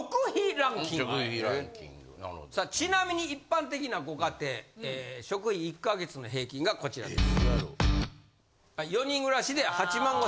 ちなみに一般的なご家庭食費１か月の平均がこちらです。